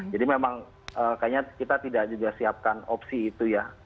jadi memang kayaknya kita tidak sudah siapkan opsi itu ya